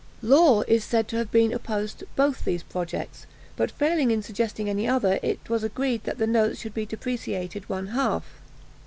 Law is said to have opposed both these projects, but failing in suggesting any other, it was agreed that the notes should be depreciated one half.